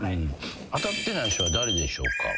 当たってない人は誰でしょうか。